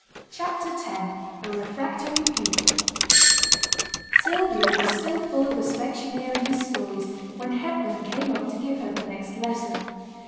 CHAPTER X A REFRACTORY PUPIL Sylvia was still full of the specksioneer and his stories, when Hepburn came up to give her the next lesson.